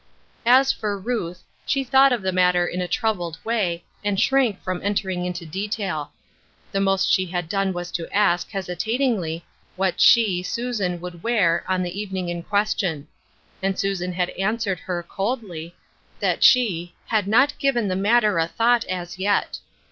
As for Ruth, she thought of the matter in a troubled way, and shrank from entering into detail. The most she had done was to ask, hes itatingly, what she — Susan — would wear, on the evening in question. And Susan had an swered her, coldly, that she " had not given the matter a thought, as yet."